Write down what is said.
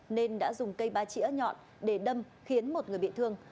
nên đã dùng cây ba chỉa nhọn để đâm khiến một người bị thương